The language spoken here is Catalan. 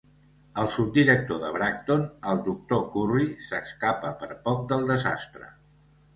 El subdirector de Bracton, el doctor Curry, s'escapa per poc del desastre.